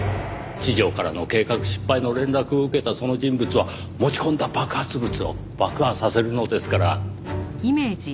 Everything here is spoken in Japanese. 地上からの計画失敗の連絡を受けたその人物は落ち込んだ爆発物を爆破させるのですから。